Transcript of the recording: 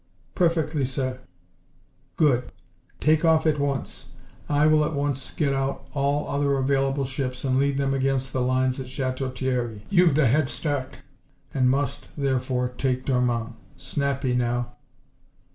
"Perfectly, sir." "Good! Take off at once! I will at once get out all other available ships and lead them against the lines at Chateau Thierry. You've the head start, and must, therefore, take Dormans. Snappy, now!"